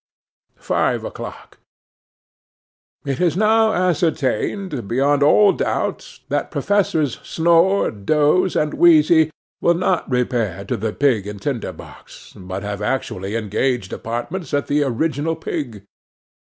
'Five o'clock. 'IT is now ascertained, beyond all doubt, that Professors Snore, Doze, and Wheezy will not repair to the Pig and Tinder box, but have actually engaged apartments at the Original Pig.